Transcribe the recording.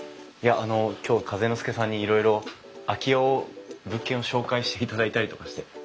いやあの今日風ノ介さんにいろいろ空き家を物件を紹介していただいたりとかして。